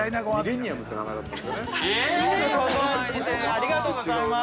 ありがとうございます。